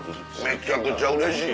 めちゃくちゃうれしい。